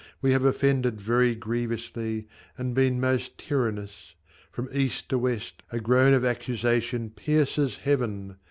We have offended very grievously, And been most tyrannous. From east to west A groan of accusation pierces Heaven